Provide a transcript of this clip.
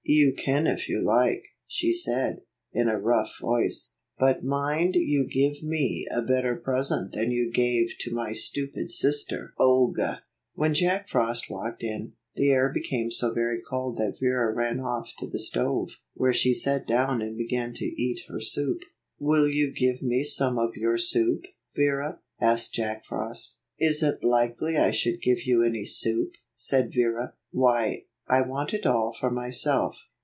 You can if you like," she said, in a rough voice; "but mind you give me a better present than you gave to my stupid sister, Olga." When Jack Frost walked in, the air became so very cold that Vera ran off to the stove, where she sat down and began to eat her soup. "Will you give me some of your soup, Vera?" asked Jack Frost. "Is it likely I should give you any soup?" said Vera. "Why, I want it all for myself.